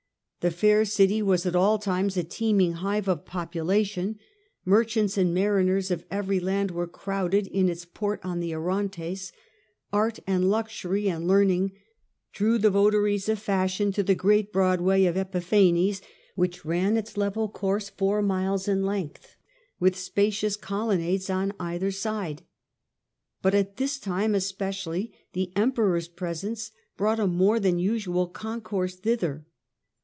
The fair city was at all times a teeming hive of population ; merchants and mariners of every land were crowded in its port on the Orontes ; art and luxury and learning drew the votaries of fashion to the great Broadway of Epiphanes which ran its level course four miles in length, with spacious colonnades on either side. But at this time especially the EmperoPs presence brought a more than usual concourse thither.